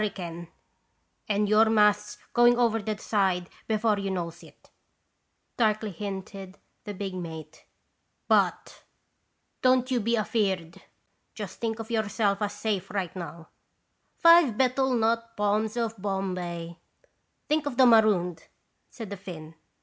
ricane and your masts going over the side before you knows it," darkly hinted the big mate, " but don't you be afeard. Just think of yourself as safe right among "' Five betel nut palms of Bombay.' "" Think of the marooned," said the Finn.